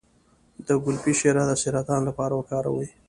د ګلپي شیره د سرطان لپاره وکاروئ